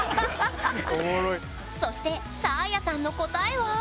そしてサーヤさんの答えは？